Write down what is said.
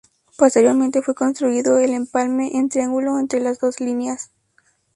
Posteriormente fue construido el empalme en triángulo entre las dos líneas.